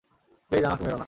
Please, আমাকে মেরো না!